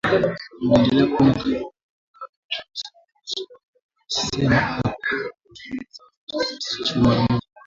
Waliendelea kufanya kazi bila kibali halali alisema na kuongeza kuwa shughuli zao zote zisitishwe mara moja